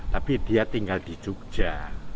tapi dia tinggal di jogja